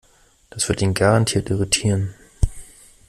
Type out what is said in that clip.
Das wird ihn garantiert irritieren.